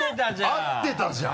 合ってたじゃん。